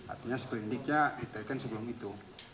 artinya seberindiknya diterikan sebelum itu